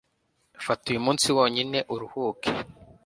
Fata uyu munsi wonyine uruhuke